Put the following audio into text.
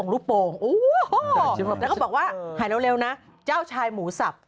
ลูกโป่งแล้วก็บอกว่าหายเร็วนะเจ้าชายหมูสับ